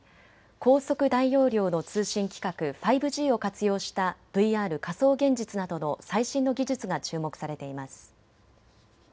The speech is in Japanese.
高速・大容量の通信規格５Ｇを活用したＶＲ・仮想現実などの最新の技術が注目されています。